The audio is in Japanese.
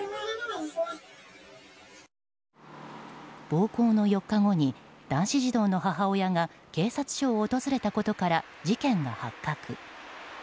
暴行の４日後に男子児童の母親が警察署を訪れたことから事件が発覚。